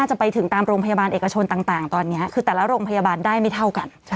จะไปถึงตามโรงพยาบาลเอกชนต่างตอนนี้คือแต่ละโรงพยาบาลได้ไม่เท่ากัน